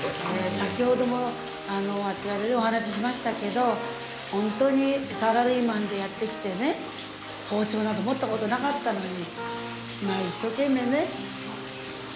先ほどもあちらでお話ししましたけどほんとにサラリーマンでやってきてね包丁など持ったことなかったのに一生懸命ね